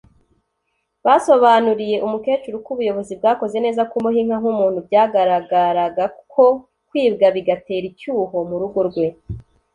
basobanuriye umukecuru ko ubuyobozi bwakoze neza kumuha inka nk’umuntu byagaragaraga ko kwibwa bigatera icyuho mu rugo rwe